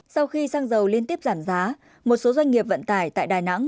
sau khi xăng dầu liên tiếp giảm giá một số doanh nghiệp vận tải tại đà nẵng